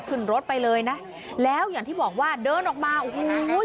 ขึ้นรถไปเลยนะแล้วอย่างที่บอกว่าเดินออกมาโอ้โห